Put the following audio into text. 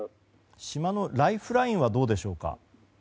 島のライフラインはどうでしょうか？